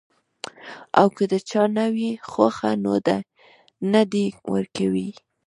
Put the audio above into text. او کۀ د چا نۀ وي خوښه نو نۀ دې ورکوي -